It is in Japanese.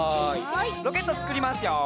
ロケットつくりますよ。